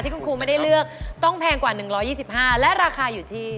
แพงกว่า